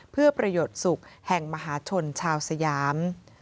เพื่อประโยชน์สุขแห่งมหาชนชาวสยาม